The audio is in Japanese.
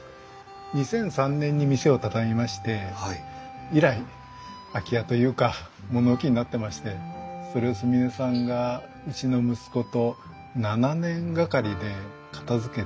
２００３年に店を畳みまして以来空き家というか物置になってましてそれを純音さんがうちの息子と７年がかりで片づけて。